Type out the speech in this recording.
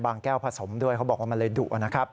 แก้วผสมด้วยเขาบอกว่ามันเลยดุนะครับ